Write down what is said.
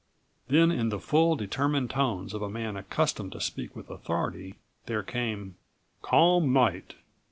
Then, in the full, determined tones of a man accustomed to speak with authority there came: "Calm night."